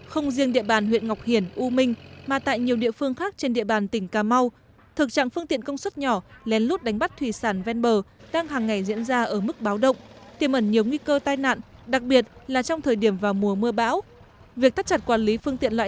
không riêng địa bàn huyện ngọc hiền u minh mà tại nhiều địa phương khác trên địa bàn tỉnh cà mau thực trạng phương tiện công suất nhỏ lén lút đánh bắt thủy sản ven bờ đang hàng ngày diễn ra ở mức báo động tiềm ẩn nhiều nguy cơ tai nạn đặc biệt là trong thời điểm vào mùa mưa bão